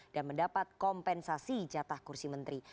dan mendapat kompensasi jatah kursi menteri